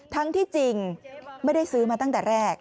ทั้งที่จริงไม่ได้ซื้อมาตั้งแต่แรก